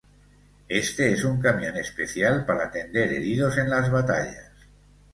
Este es un camión especial para atender heridos en las batallas.